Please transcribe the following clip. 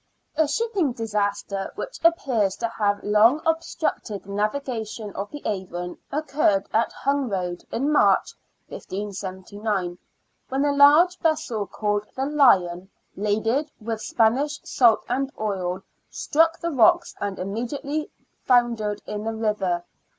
A SHIPPING disaster, which appears to have long obstructed the navigation of the Avon, occurred at Hungroad in March, 1579, when a large vessel called the Lion, laden with Spanish salt and oil, struck the rocks and immediately foundered in the river.